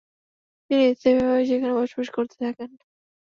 তিনি স্থায়ীভাবে সেখানে বসবাস করতে থাকেন।